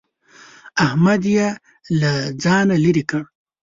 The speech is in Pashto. احمد يې له ځانه لرې کړ.